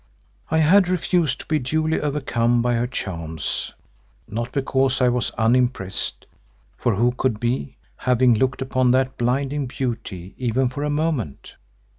I had refused to be duly overcome by her charms, not because I was unimpressed, for who could be, having looked upon that blinding beauty even for a moment?